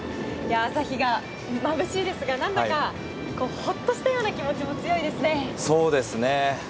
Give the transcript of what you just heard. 朝日がまぶしいですがなぜかほっとしたような気持ちも強いですね。